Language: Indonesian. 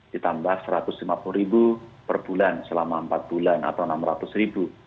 ditambah rp satu ratus lima puluh per bulan selama empat bulan atau rp enam ratus